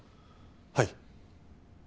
はい。